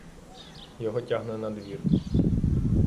Його тягне на двір.